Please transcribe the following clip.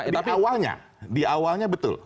di awalnya di awalnya betul